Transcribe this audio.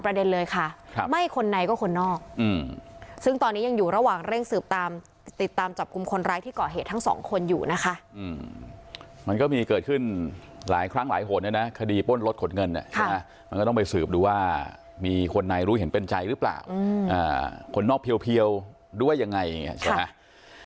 บ้นลดขนเงินเนี่ยใช่ไหมมันก็ต้องไปสืบดูว่ามีคนในรู้เห็นเป็นใจหรือเปล่าอ่าคนนอกเพียวเพียวด้วยยังไงใช่ไหม